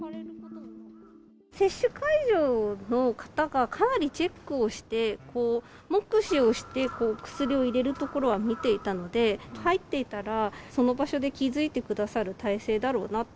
接種会場の方がかなりチェックをして、目視をして、薬を入れるところは見ていたので、入っていたら、その場所で気付いてくださる態勢だろうなと。